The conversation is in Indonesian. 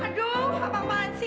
aduh apa apaan sih